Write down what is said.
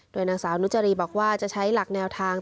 โดยนางสาวนุจรีบอกว่าจะใช้หลักแนวทาง